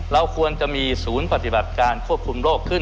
เราควรจะมีศูนย์ปฏิบัติการควบคุมโรคขึ้น